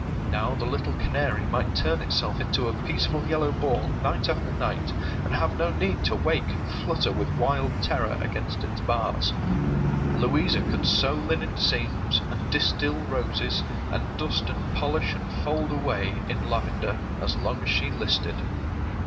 Now the little canary might turn itself into a peaceful yellow ball night after night, and have no need to wake and flutter with wild terror against its bars. Louisa could sew linen seams, and distil roses, and dust and polish and fold away in lavender, as long as she listed.